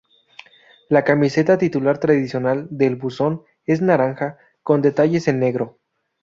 La camiseta titular tradicional del buzón es naranja, con detalles en negro.